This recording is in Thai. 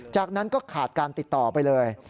จากนั้นก็ขาดการติดต่อไปเลย